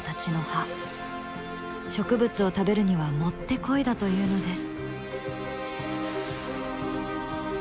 植物を食べるにはもってこいだというのです。